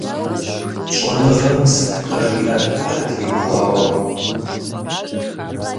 ЩӀэныгъэм сыт-тӀэ жиӀэр абы теухуауэ?